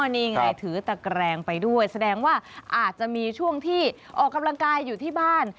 นี่ไงถือตะแกรงไปด้วยแสดงว่าอาจจะมีช่วงที่ออกกำลังกายอยู่ที่บ้าน